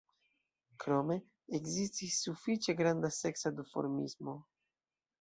Krome ekzistis sufiĉe granda seksa duformismo.